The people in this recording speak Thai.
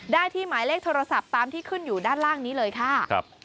ได้ที่หมายเลขโทรศัพท์ตามที่ขึ้นอยู่ด้านล่างนี้เลยค่ะ